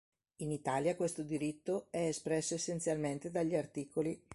In Italia questo diritto è espresso essenzialmente dagli art.